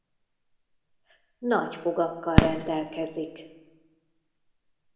Nagy fogakkal rendelkezik.